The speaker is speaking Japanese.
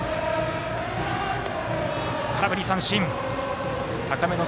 空振り三振。